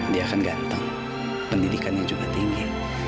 dia akan ganteng pendidikannya juga tinggi